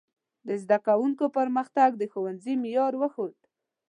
د زده کوونکو پرمختګ د ښوونځي معیار وښود.